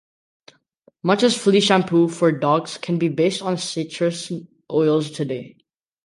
Much as flea shampoo for dogs can be based on citrus oils today.